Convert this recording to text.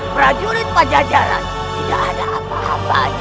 prajurit bajaj stewart tidak ada apa apa lagi haa